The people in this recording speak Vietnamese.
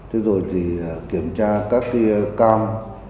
rồi kiểm tra các cam